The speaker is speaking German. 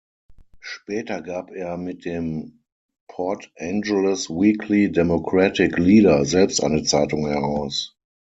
Später gab er mit dem "Port Angeles Weekly Democratic Leader" selbst eine Zeitung heraus.